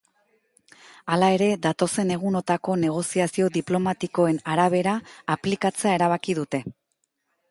Halere, datozen egunotako negoziazio diplomatikoen arabera aplikatzea erabaki dute.